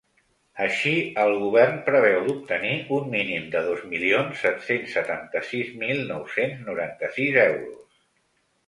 Així, el govern preveu d’obtenir un mínim de dos milions set-cents setanta-sis mil nou-cents noranta-sis euros.